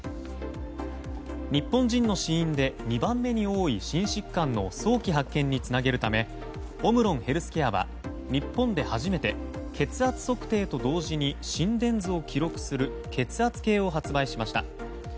日本人の死因で２番目に多い心疾患の早期発見につなげるためオムロンヘルスケアは日本で初めて血圧測定と同時に心電図を記録する血圧計を発売しました。